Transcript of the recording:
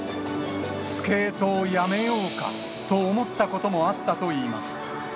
スケートをやめようかと思ったこともあったといいます。